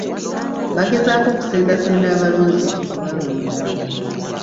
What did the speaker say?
Bagezaako okusendasenda abalonzi okubalonda.